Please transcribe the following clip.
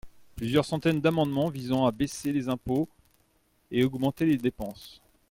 plusieurs centaines d’amendements visant à baisser les impôts et augmenter les dépenses.